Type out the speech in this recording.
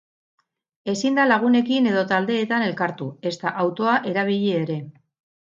Ezin da lagunekin edo taldeetan elkartu, ezta autoa erabili ere.